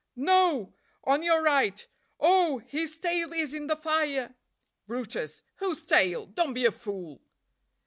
No! on your right. Oh, his tail is in the fire!" brutus. "Whose tail? don't be a fool!"